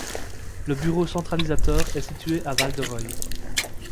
Le bureau centralisateur est situé à Val-de-Reuil.